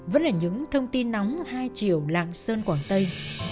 vẫn là những thông tin nóng hai chiều lạng sơn quảng tây